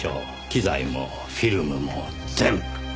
機材もフィルムも全部。